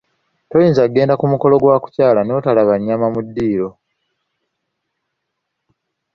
Toyinza kugenda ku mukolo gw’okukyala n’otalaba ku nnyama mu ddiro.